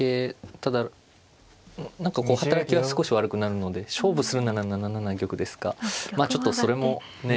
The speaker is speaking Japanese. ただ何かこう働きは少し悪くなるので勝負するなら７七玉ですがまあちょっとそれもねえ